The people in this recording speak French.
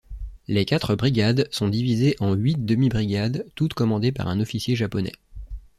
Les quatre brigades sont divisées en huit demi-brigades toutes commandées par un officier japonais.